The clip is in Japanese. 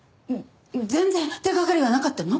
全然手がかりはなかったの？